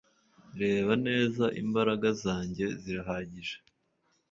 reba neza imbaraga zanjye birahagije